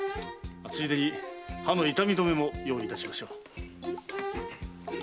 ついでに歯の痛み止めも用意いたしましょう。